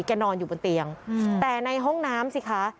นอนอยู่บนเตียงแต่ในห้องน้ำสิคะ